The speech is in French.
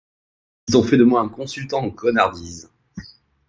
Ils ont fait de moi un consultant en connardise.